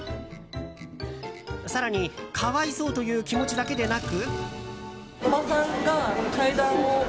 更に可哀想という気持ちだけでなく。